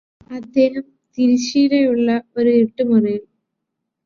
അദ്ദേഹം തിരശ്ശീലയുള്ള ഒരു ഇരുട്ടുമുറിയില്